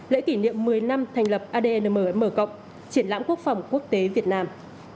lễ kỷ niệm một mươi năm thành lập adnm triển lãm quốc phòng quốc tế việt nam